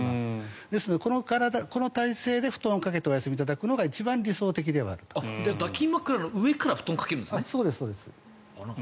なので、この体勢で布団をかけてお休みいただくのが一番理想的ではあると。抱き枕の上から布団をかけるんですね？